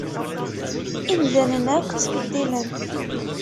Imdanen akk ttbeddilen.